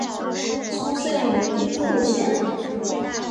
出身于兵库县。